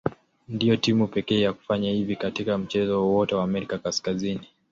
Ndio timu pekee ya kufanya hivi katika mchezo wowote wa Amerika Kaskazini.